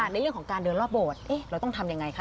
ในเรื่องของการเดินรอบโบสถ์เราต้องทำยังไงคะ